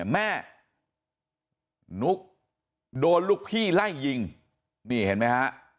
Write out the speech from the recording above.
แม่นุ๊กโดนลูกพี่ไล่ยิงนี่เห็นไหมฮะ